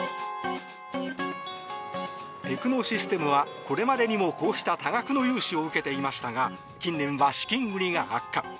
テクノシステムは、これまでにもこうした多額の融資を受けていましたが近年は資金繰りが悪化。